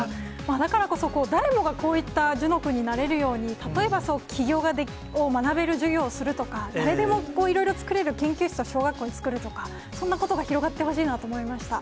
だからこそ、誰もがこういった諄之君になれるように、例えば起業を学べる授業をするとか、誰でもいろいろ作れる研究室を小学校に作るとか、そんなことが広がってほしいなと思いました。